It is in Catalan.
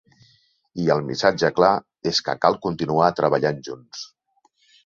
I el missatge clar és que cal continuar treballant junts.